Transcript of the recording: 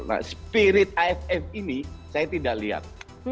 nah spirit aff ini saya tidak lihat